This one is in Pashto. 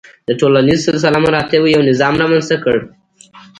د ټولنیز سلسله مراتبو یو نظام رامنځته کړ.